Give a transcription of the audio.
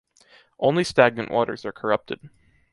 Only stagnant waters are corrupted.